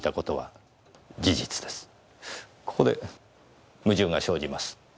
ここで矛盾が生じます。